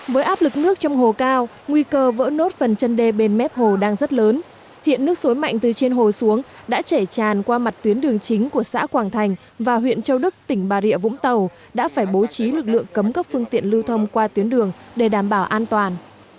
với áp lực nước trong hồ cao nguy cơ vỡ nốt phần chân đê bên mép hồ đang rất lớn hiện nước suối mạnh từ trên hồ xuống đã chảy tràn qua mặt tuyến đường chính của xã quảng thành và huyện châu đức tỉnh bà rịa vũng tàu đã phải bố trí lực lượng cấm các phương tiện lưu thông qua tuyến đường để đảm bảo an toàn